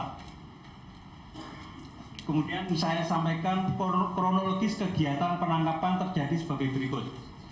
kemudian saya sampaikan kronologis kegiatan penangkapan terjadi sebagai berikut